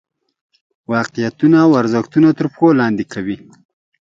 واقعیتونه او ارزښتونه تر پښو لاندې کوي.